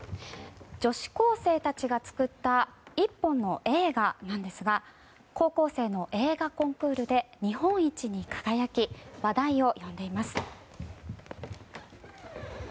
女子高生たちが作った１本の映画なんですが高校生の映画コンクールで日本一に輝き話題を呼んでいます。